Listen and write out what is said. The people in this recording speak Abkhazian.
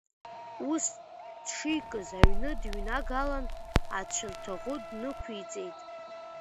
Ус дшикыз, аҩны дныҩнагалан, ацәырдаӷәы днықәиҵеит.